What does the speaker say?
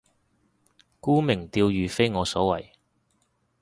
沽名釣譽非我所為